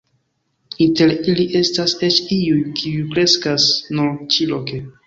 Inter ili estas eĉ iuj, kiuj kreskas nur ĉi-loke.